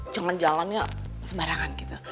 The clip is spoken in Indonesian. jangan jalannya sembarangan gitu